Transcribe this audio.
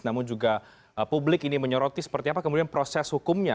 namun juga publik ini menyoroti seperti apa kemudian proses hukumnya